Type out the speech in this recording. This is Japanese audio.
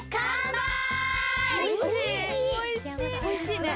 おいしい！